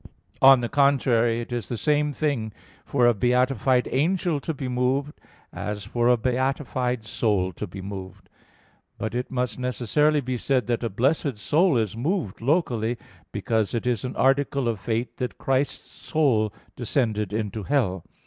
On the contrary, It is the same thing for a beatified angel to be moved as for a beatified soul to be moved. But it must necessarily be said that a blessed soul is moved locally, because it is an article of faith that Christ's soul descended into Hell.